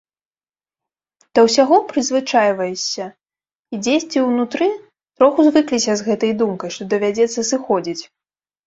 Да ўсяго прызвычайваешся і дзесьці ўнутры троху звыкліся з гэтай думкай, што давядзецца сыходзіць.